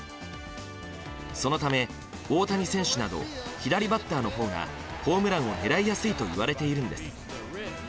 そのため、大谷選手など左バッターのほうがホームランを狙いやすいといわれているのです。